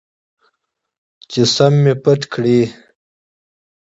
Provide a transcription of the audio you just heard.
چې سم مې پټ کړي.